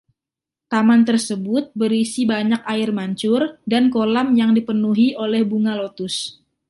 Taman tersebut berisi banyak air mancur dan kolam yang dipenuhi oleh bunga lotus.